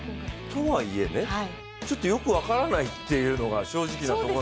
とはいえね、ちょっとよく分からないっていうのが正直なとこなんで。